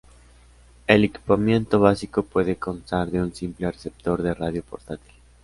El equipamiento básico puede constar de un simple receptor de radio portátil.